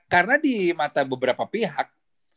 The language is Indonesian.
karena di mata beberapa pihak